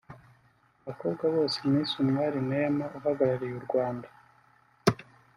Mu bakobwa bose Miss Umwali Neema uhagarariye u Rwanda